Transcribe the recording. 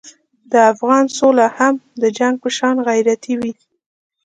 د افغان سوله هم د جنګ په شان غیرتي وي.